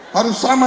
harus selalu diambil